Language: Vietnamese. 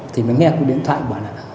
thì mới nghe câu điện thoại bảo là